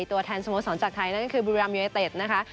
ตัวแทนสมสรรค์จากไทยนั่นก็คือบุรัมยเต็ดนะคะ